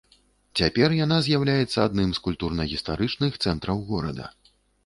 Цяпер яна з'яўляецца адным з культурна-гістарычных цэнтраў горада.